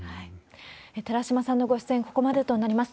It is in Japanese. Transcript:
寺嶋さんのご出演、ここまでとなります。